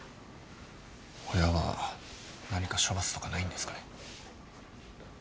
親は何か処罰とかないんですかね。